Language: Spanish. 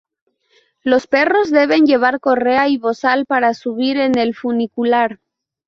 Los perros deben llevar correa y bozal para subir en el funicular.